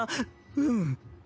うん。